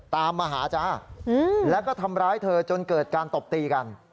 ตามมาหาจ้าแล้วก็ทำร้ายเธอจนเกิดการตบตีกัน